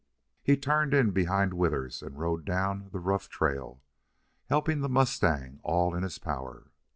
He turned in behind Withers and rode down the rough trail, helping the mustang all in his power.